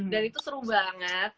dan itu seru banget